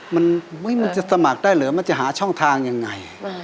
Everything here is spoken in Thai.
มันจะสมัครได้เหรอมันจะหาช่องทางยังไง